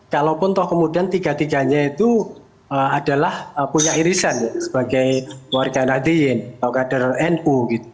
kalau pun tokoh kemudian tiga tiganya itu adalah punya irisan sebagai warga nahdiin atau kader nu